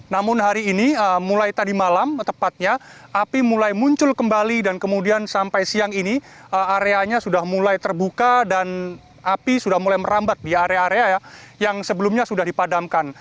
namun hari ini mulai tadi malam tepatnya api mulai muncul kembali dan kemudian sampai siang ini areanya sudah mulai terbuka dan api sudah mulai merambat di area area yang sebelumnya sudah dipadamkan